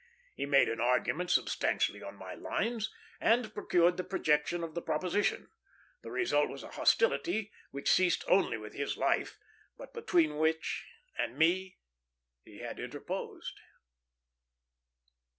He made an argument substantially on my lines, and procured the rejection of the proposition. The result was a hostility which ceased only with his life, but between which and me he had interposed."